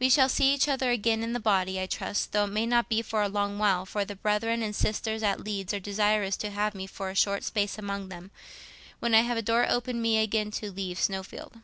"We shall see each other again in the body, I trust, though, it may be, not for a long while; for the brethren and sisters at Leeds are desirous to have me for a short space among them, when I have a door opened me again to leave Snowfield.